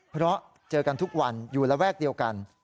เพราะเจอกันทุกวันอยู่ระแวกเดียวกัน